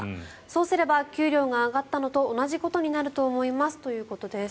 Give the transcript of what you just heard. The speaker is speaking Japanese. そうすれば給料が上がったのと同じことになると思いますということです。